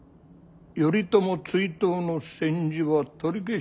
頼朝追討の宣旨は取り消しじゃ。